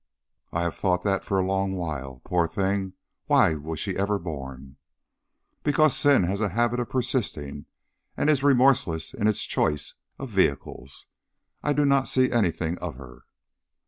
"I have thought that for a long while. Poor thing, why was she ever born?" "Because sin has a habit of persisting, and is remorseless in its choice of vehicles. I do not see anything of her."